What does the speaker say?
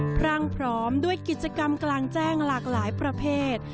พรั่งพร้อมด้วยกิจกรรมกลางแจ้งหลากหลายประเภท